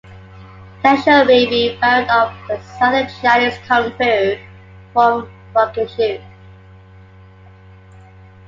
Tensho may be a variant of the Southern Chinese Kung Fu form Rokkishu.